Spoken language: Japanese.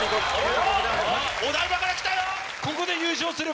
お台場から来たよ！